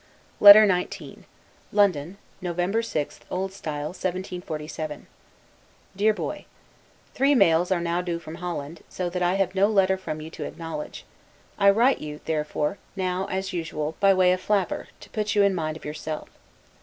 LETTER XIX LONDON, November 6, O. S. 1747 DEAR BOY: Three mails are now due from Holland, so that I have no letter from you to acknowledge; I write to you, therefore, now, as usual, by way of flapper, to put you in mind of yourself.